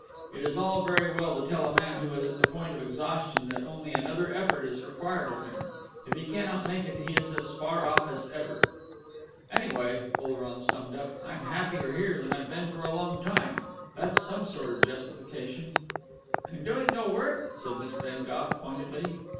It is all very well to tell a man who is at the point of exhaustion that only another effort is required of him; if he cannot make it he is as far off as ever.... "Anyway," Oleron summed up, "I'm happier here than I've been for a long time. That's some sort of a justification." "And doing no work," said Miss Bengough pointedly.